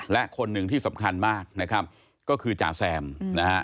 และคนหนึ่งที่สำคัญมากนะครับก็คือจ่าแซมนะฮะ